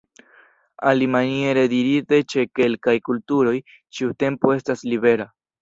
Alimaniere dirite ĉe kelkaj kulturoj ĉiu tempo estas libera.